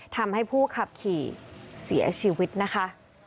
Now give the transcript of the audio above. ทำให้ผู้ขับขี่เสียชีวิตนะคะ